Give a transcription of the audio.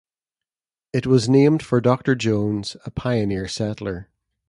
It was named for Doctor Jones, a pioneer settler.